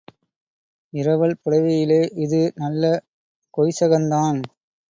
இரவல் புடைவையிலே இது நல்ல கொய்சகந்தான்.